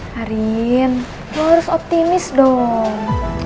karin lu harus optimis dong